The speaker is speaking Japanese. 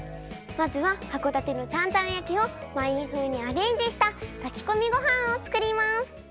まずは函館のちゃんちゃん焼きをまいん風にアレンジしたたきこみごはんをつくります！